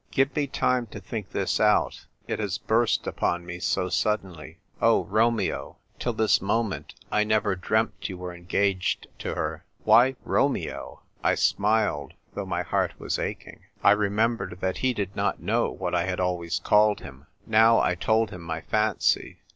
" Give me time to think this out. It has burst upon me so suddenly. Oh, Romeo, till this mo ment I never dreamt you were engaged to her." " Why Romeo ?" I smiled, though my heart was aching. I remembered that he did not know what I had always called him. Now I told him my fancy.